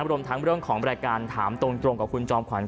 รวมทั้งเรื่องของรายการถามตรงกับคุณจอมขวัญ